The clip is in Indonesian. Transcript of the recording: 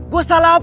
gue salah apa